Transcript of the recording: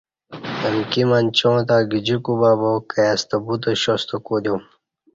امکی منچاں تہ گجی کوبابا کائیستہ بوتہ شاستہ کودیوم